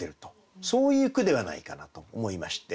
そういう句ではないかなと思いまして。